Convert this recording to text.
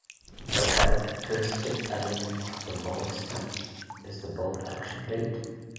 The characteristic element of the bolt snap is the bolt action gate.